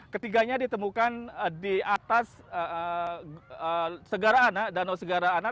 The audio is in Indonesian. ketiganya ditemukan di atas segara anak danau segara anak